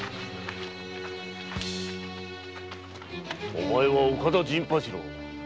お前は岡田陣八郎。